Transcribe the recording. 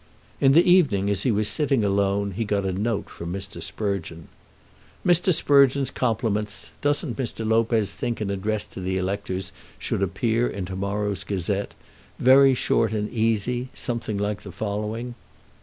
In the evening, as he was sitting alone, he got a note from Mr. Sprugeon. "Mr. Sprugeon's compliments. Doesn't Mr. Lopez think an address to the electors should appear in to morrow's 'Gazette,' very short and easy; something like the following."